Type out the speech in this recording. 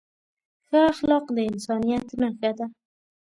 ښه اخلاق د انسانیت نښه ده.